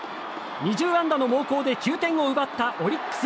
２０安打の猛攻で６点を奪ったオリックス。